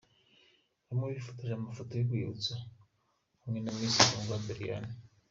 Bamwe bifotoje amafoto y'urwibutso hamwe na Miss Kundwa Doriane.